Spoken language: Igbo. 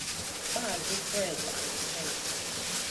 Maazị Fred Anụsịm